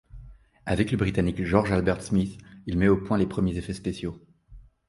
Avec le britannique George Albert Smith, il met au point les premiers effets spéciaux.